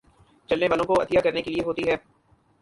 چلنے والوں کوعطیہ کرنے کے لیے ہوتی ہے